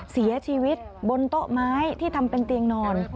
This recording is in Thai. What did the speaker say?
เสียชีวิตบนโต๊ะไม้ที่ทำเป็นเตียงนอน